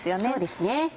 そうですね。